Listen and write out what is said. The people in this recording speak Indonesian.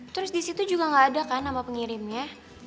terus di situ juga gak ada kan nama pengirimnya